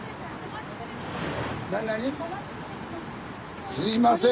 何⁉何⁉すいません